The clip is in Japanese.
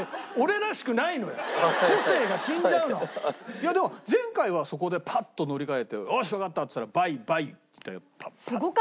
いやでも前回はそこでパッと乗り換えて「よしわかった」っつったら倍倍って。